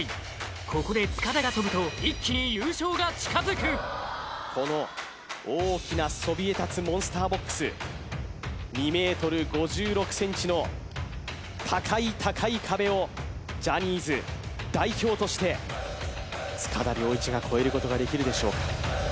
ここで塚田が跳ぶと一気に優勝が近づくこの大きなそびえ立つモンスターボックス２ｍ５６ｃｍの高い高い壁をジャニーズ代表として塚田僚一が越えることができるでしょうか？